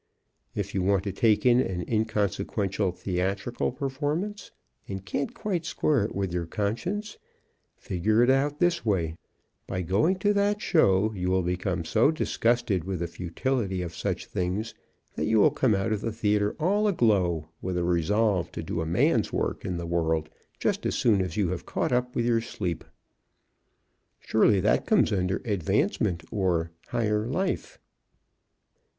If you want to take in an inconsequential theatrical performance and can't quite square it with your conscience, figure it out this way: By going to that show you will become so disgusted with the futility of such things that you will come out of the theater all aglow with a resolve to do a man's work in the world just as soon as you have caught up with your sleep. Surely that comes under "Advancement" or "Higher Life."